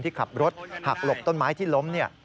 ที่ขับรถหักหลบต้นไม้ที่ล้ม